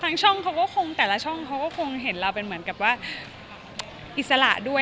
ไม่มีนะค่ะเพราะว่าแต่ละช่องเค้าก็คงเห็นเราเหมือนว่าอิสระด้วย